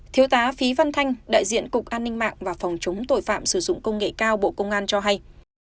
thiếu tá phí văn thanh đại diện cục an ninh mạng và phòng chống tội phạm sử dụng công nghệ cao bộ công an cho hay